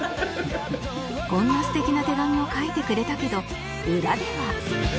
こんな素敵な手紙を書いてくれたけど裏では